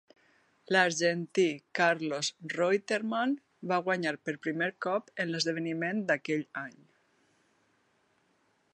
L'argentí Carlos Reutermann va guanyar per primer cop en l'esdeveniment d'aquell any.